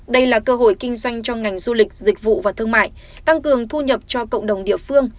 đây là cơ hội kinh doanh cho ngành du lịch dịch vụ và thương mại tăng cường thu nhập cho cộng đồng địa phương